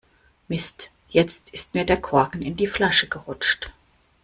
Mist, jetzt ist mir der Korken in die Flasche gerutscht.